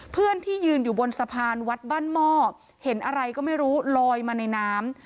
เพื่อนที่ยืนอยู่บนสะพานวัดบ้านหม้อเห็นอะไรก็ไม่รู้ลอยมาในน้ำ